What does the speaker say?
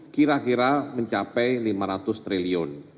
kira kira mencapai lima ratus triliun